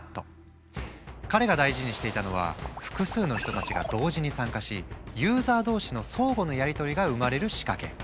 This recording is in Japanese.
彼が大事にしていたのは複数の人たちが同時に参加しユーザー同士の相互のやりとりが生まれる仕掛け。